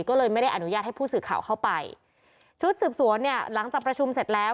ก็เลยไม่ได้อนุญาตให้ผู้สื่อข่าวเข้าไปชุดสืบสวนเนี่ยหลังจากประชุมเสร็จแล้ว